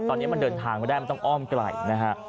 ตอนนี้มันเดินทางไม่ได้มันต้องอ้อมไกลนะฮะ